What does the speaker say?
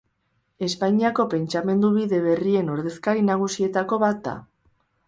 Espainiako pentsamendu-bide berrien ordezkari nagusietako bat da.